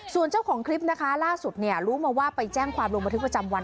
ส่วนเจ้าของคลิปนะคะล่าสุดเนี่ยรู้มาว่าไปแจ้งความลงบันทึกประจำวัน